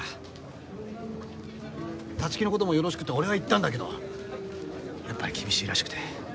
立木の事もよろしくって俺は言ったんだけどやっぱり厳しいらしくて。